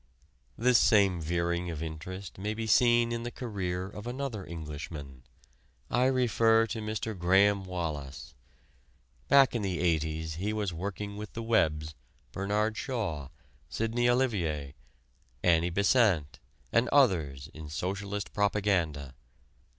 This same veering of interest may be seen in the career of another Englishman. I refer to Mr. Graham Wallas. Back in the '80's he was working with the Webbs, Bernard Shaw, Sidney Olivier, Annie Besant and others in socialist propaganda.